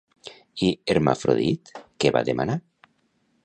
I Hermafrodit què va demanar?